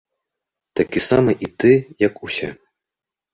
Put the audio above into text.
Такі самы і ты, як усе.